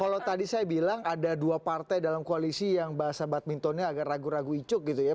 kalau tadi saya bilang ada dua partai dalam koalisi yang bahasa badmintonnya agak ragu ragu icuk gitu ya